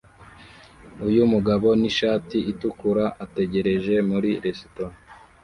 Uyu mugabo nishati itukura ategereje muri resitora